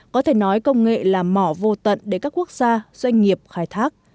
có thể nói công nghệ là mỏ vô tận để các quốc gia doanh nghiệp khai thác